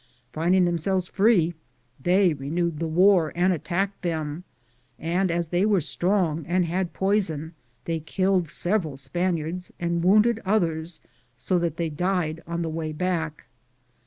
Finding them selves free, they renewed the war and at tacked them, and as they were strong and had poison, they kille d several Spaniards and wounded others so that they died on the way back.